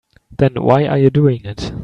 Then why are you doing it?